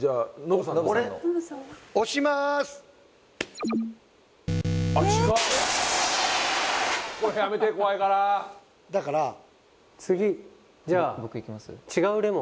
押しまーすもうやめて怖いからだから次じゃあ僕いきます？